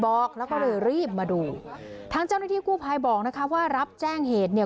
บอกแล้วก็เลยรีบมาดูทางเจ้าหน้าที่กู้ภัยบอกนะคะว่ารับแจ้งเหตุเนี่ย